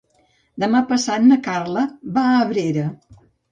Demà passat na Carla va a Abrera.